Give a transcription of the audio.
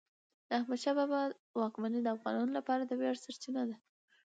د احمدشاه بابا واکمني د افغانانو لپاره د ویاړ سرچینه ده.